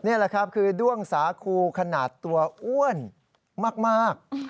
นี่แหละครับคือด้วงสาคูขนาดตัวอ้วนมาก